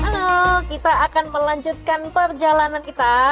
halo kita akan melanjutkan perjalanan kita